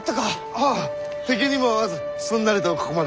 はあ敵にも会わずすんなりとここまで。